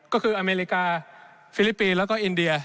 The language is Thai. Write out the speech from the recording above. ก็คืออเมริกาฟิลิปปินส์แล้วก็อินเดีย